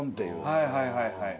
はいはいはいはい。